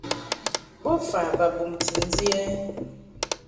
Bofa ba bumti ndi ɛ?